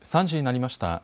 ３時になりました。